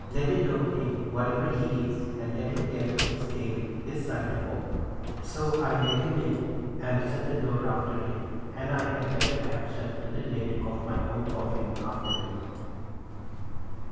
'Let the dog in, whatever he is, and let him tell his tale this side the oak.' So I let him in and shut the door after him, and I had better have shut to the lid of my own coffin after me.